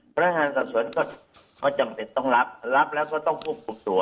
พนักงานสอบสวนก็จำเป็นต้องรับรับแล้วก็ต้องควบคุมตัว